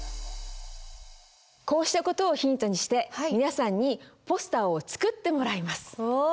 こうした事をヒントにして皆さんにポスターを作ってもらいます。